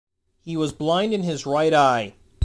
He was blind in his right eye.